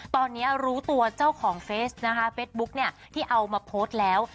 ตอนนี้รู้ตัวเจ้าของเฟสนะคะเฟสบุ๊กเนี่ยที่เอามาโพสต์แล้ว